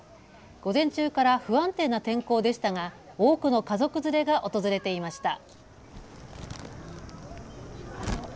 午前中から不安定な天候でしたが多くの家族連れが訪れていました。